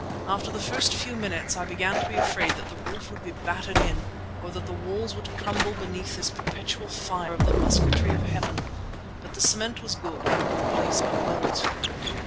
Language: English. After the first few minutes I began to be afraid that the roof would be battered in, or that the walls would crumble beneath this perpetual fire of the musketry of heaven. But the cement was good and the place well built.